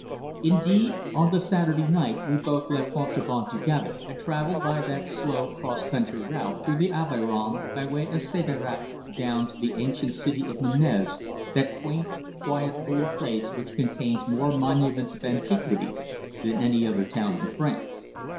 Indeed, on the Saturday night we both left Montauban together, and travelled by that slow, cross country route through the Aveyron, by way of Sévérac, down to the ancient city of Nîmes that quaint, quiet old place which contains more monuments of antiquity than any other town in France.